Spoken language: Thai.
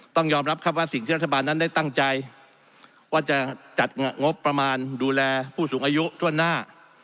ต้องยอมรับครับว่าสิ่งที่รัฐบาลนั้นได้ตั้งใจว่าจะจัดงบประมาณดูแลผู้สูงอายุทั่วหน้า